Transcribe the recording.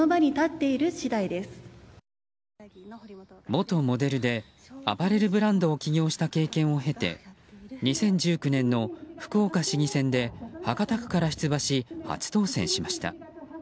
元モデルでアパレルブランドを起業した経験を経て２０１９年の福岡市議選で博多区から出馬し初当選しました。